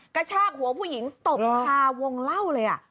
กระชากหัวผู้หญิงตบคาวงเล่าเลย